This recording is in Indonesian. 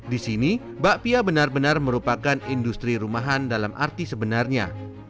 di sini bakpia benar benar merupakan industri rumahan dalam arti sebenarnya